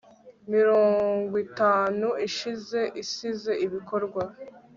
mirongwitanu ishize isize ibikorwa